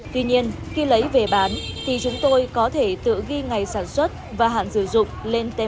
tuy nhiên khi lấy về bán thì chúng tôi có thể tự ghi ngày sản xuất và hạn sử dụng lên tới